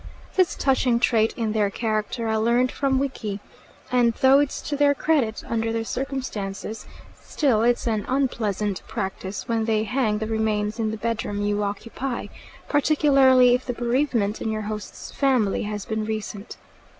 This touching trait in their character I learnt from Wiki; and, though it's to their credit, under the circumstances, still it's an unpleasant practice when they hang the remains in the bedroom you occupy, particularly if the bereavement in your host's family has been recent.